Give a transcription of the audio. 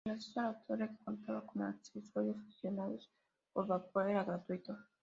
El acceso a la torre, que contaba con ascensores accionados por vapor, era gratuito.